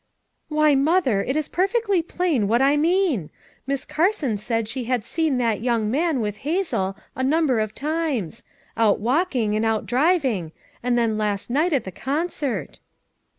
"Why, Mother! it is perfectly plain what I mean. Miss Carson said she had seen that young man with Hazel a number of times ; out walking, and out driving; and then last night at the concert."